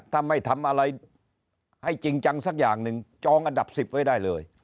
ถ้าไม่ทำอะไรให้จริงจังสักอย่างหนึ่งจองอันดับ๑๐ไว้ได้เลย